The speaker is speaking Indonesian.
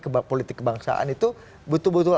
kebab politik kebangsaan itu betul betul